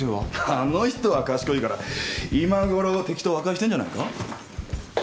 あの人は賢いから今ごろ敵と和解してんじゃないか。